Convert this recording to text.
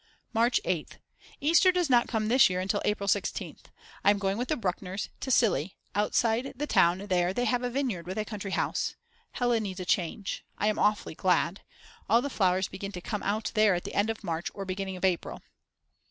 March 8th. Easter does not come this year until April 16th. I am going with the Bruckners to Cilli, outside the town there they have a vineyard with a country house. Hella needs a change. I am awfully glad. All the flowers begin to come out there at the end of March or beginning of April.